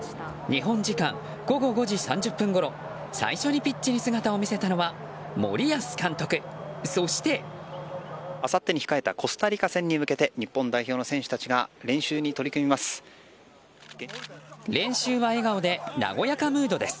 日本時間午後５時３０分ごろ最初にピッチに姿を見せたのは森保監督、そして。あさってに控えたコスタリカ戦に向けて日本代表の選手たちが練習に取り組みます。